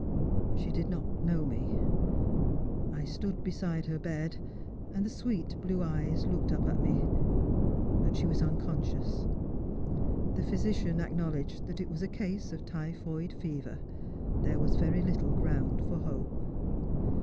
" She did not know me. I stood beside her bed, and the sweet blue eyes looked up at me, but she was unconscious. Th« Strangers and FiJfjrims. 45 physician acknowledged that it was a case of typhoid fever. Tliere was very little ground for hope.